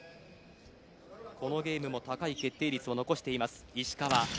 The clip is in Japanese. このゲームも高い決定率を残しています、石川。